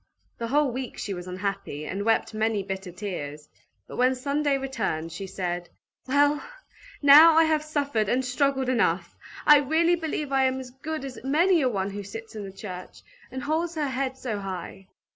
The whole week she was unhappy, and wept many bitter tears; but when Sunday returned, she said, "Well, now I have suffered and struggled enough! I really believe I am as good as many a one who sits in the church, and holds her head so high!"